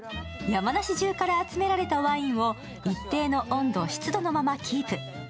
山梨中から集められたワインを一定の温度、湿度のままキープ。